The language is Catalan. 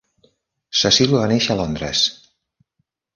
Cecil va néixer a Londres.